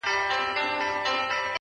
هغي نجلۍ چي زما له روحه به یې ساه شړله؛